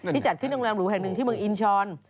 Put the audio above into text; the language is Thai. ที่จัดพิษโรงแรมหลวงแห่งหนึ่งที่เมืองอินชร